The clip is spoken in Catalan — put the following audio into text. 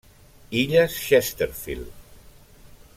Illes Chesterfield.